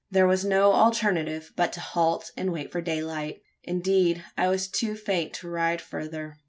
There was no alternative but to halt and wait for daylight. Indeed, I was too faint to ride further.